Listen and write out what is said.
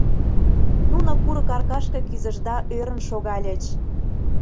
Нуно курык аркашке кӱзышт да ӧрын шогальыч.